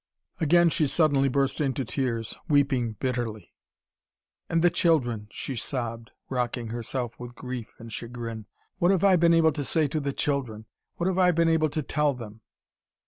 Again she suddenly burst into tears, weeping bitterly. "And the children," she sobbed, rocking herself with grief and chagrin. "What have I been able to say to the children what have I been able to tell them?"